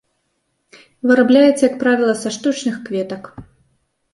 Вырабляецца, як правіла, са штучных кветак.